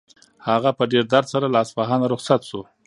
هغه په ډېر درد سره له اصفهانه رخصت شو.